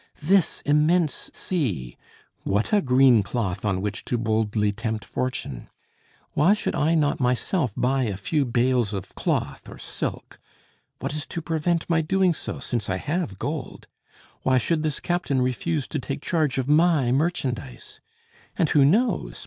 This immense sea! What a green cloth, on which to boldly tempt fortune! Why should I not myself buy a few bales of cloth or silk? What is to prevent my doing so, since I have gold? Why should this captain refuse to take charge of my merchandise? And who knows?